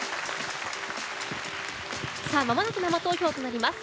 まもなく生投票となります。